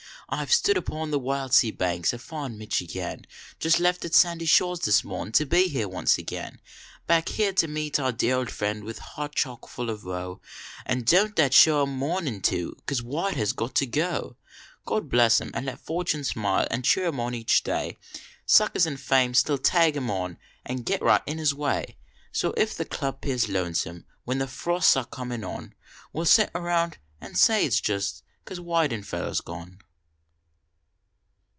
I ve stood upon the wild sea banks, afar in Michigan, Just h ft its sandy shores this morn to be here once again Back here to meet our dear old friend, with heart chock full of woe. An don t that show I m monrnin", too, cause Wcid has got to go? <iod bless im and let fortune smile and cheer im on each day. Suckers and fame still tag im on an get right in his way, So if the Club pears lonesome when the frosts are comin on. We ll sit . .round an sav it s jest cause Weidenfeller s gone.